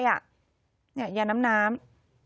นี่ยาน้ำน้ำ